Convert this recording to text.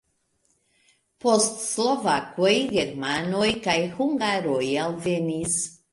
Poste slovakoj, germanoj kaj hungaroj alvenis.